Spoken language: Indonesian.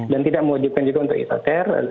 dan tidak mewajibkan juga untuk isoter